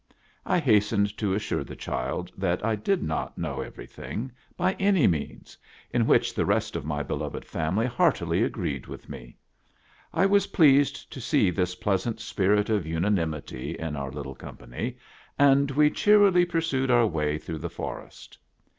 I hastened to assure the child that I did not know everything by any means, in which the rest of my be loved family heartily agreed with me. I was pleased to see this pleasant spirit of unanimity in our little company, and we cheerily pursued our way through the forest.